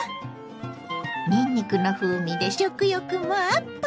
にんにくの風味で食欲もアップ！